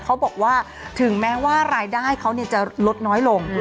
เขาบอกว่าถึงแม้ว่ารายได้เขาจะลดน้อยลง